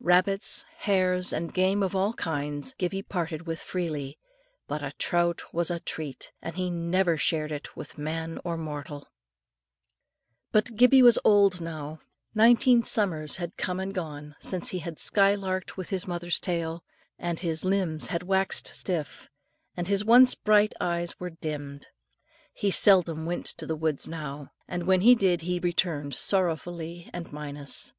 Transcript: Rabbits, hares, and game of all kinds, Gibbie parted with freely; but a trout was a treat, and he never shared it with man or mortal. But Gibbie was now old. Nineteen summers had come and gone since he had sky larked with his mother's tail, and his limbs had waxed stiff, and his once bright eyes were dimmed. He seldom went to the woods now, and when he did he returned sorrowfully and minus.